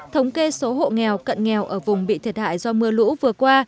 thống kê số hộ nghèo cận nghèo ở vùng bị thiệt hại do mưa lũ vừa qua